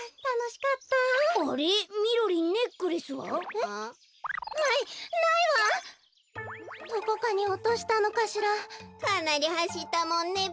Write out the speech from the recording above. かなりはしったもんねべ。